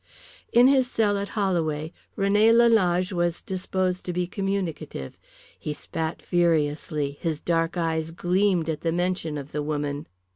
In his cell at Holloway René Lalage was disposed to be communicative. He spat furiously, his dark eyes gleamed at the mention of the woman.